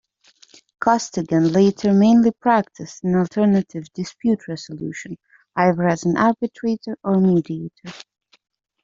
Costigan later mainly practised in Alternative Dispute Resolution, either as an arbitrator or mediator.